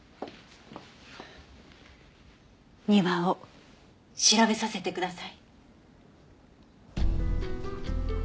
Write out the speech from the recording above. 庭を調べさせてください。